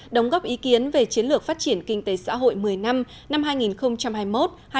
đóng góp ý kiến về chiến lược phát triển kinh tế xã hội một mươi năm năm hai nghìn hai mươi một hai nghìn ba mươi